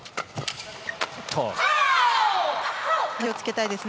今の気をつけたいですね。